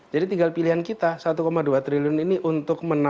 jadi tinggal pilihan kita rp satu dua triliun ini untuk memperolehnya